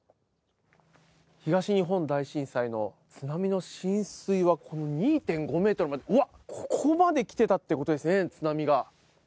東日本大震災の津波の浸水はこの２．５メートルまで、うわっ、ここまで来てたってことですね、津波が。